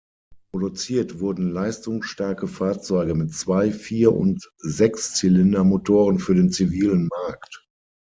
Produziert wurden leistungsstarke Fahrzeuge mit Zwei-, Vier- und Sechszylinder-Motoren für den zivilen Markt.